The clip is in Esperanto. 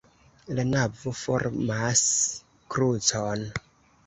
La navo formas krucon.